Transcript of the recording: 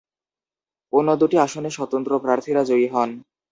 অন্য দুটি আসনে স্বতন্ত্র প্রার্থীরা জয়ী হন।